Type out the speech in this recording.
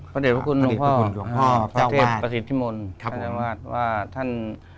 พระเจ้าพระเย็บประสิทธิ์ที่มทร์